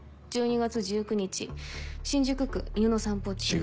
１２月１９日新宿区犬の散歩中に。